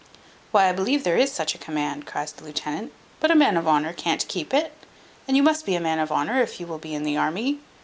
"Why, I believe there is such a command," cries the lieutenant; "but a man of honour can't keep it. And you must be a man of honour, if you will be in the army.